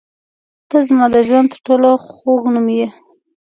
• ته زما د ژوند تر ټولو خوږ نوم یې.